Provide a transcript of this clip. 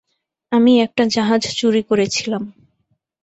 আমি একটা জাহাজ চুরি করেছিলাম।